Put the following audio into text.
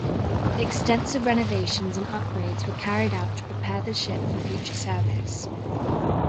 Extensive renovations and upgrades were carried out to prepare the ship for future service.